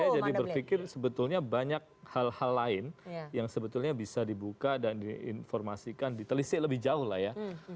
saya jadi berpikir sebetulnya banyak hal hal lain yang sebetulnya bisa dibuka dan diinformasikan ditelisik lebih jauh lah ya